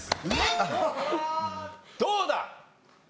どうだ？